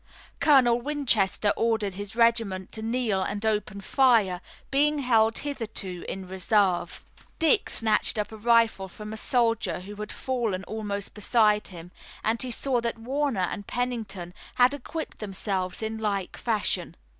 Colonel Winchester ordered his regiment to kneel and open fire, being held hitherto in reserve. Dick snatched up a rifle from a soldier who had fallen almost beside him, and he saw that Warner and Pennington had equipped themselves in like fashion.